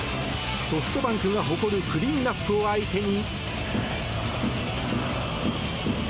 ソフトバンクが誇るクリーンアップを相手に。